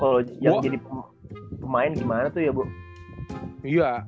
kalo jadi pemain gimana tuh ya